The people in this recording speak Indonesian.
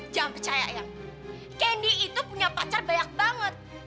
jangan percaya eyang kenny itu punya pacar banyak banget